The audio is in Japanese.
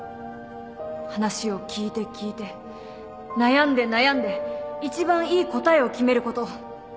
話を聞いて聞いて悩んで悩んで一番いい答えを決めること。